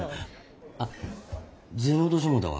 あっ銭落としてもうたわ。